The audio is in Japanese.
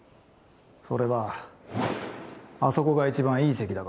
それはあそこが一番いい席だから。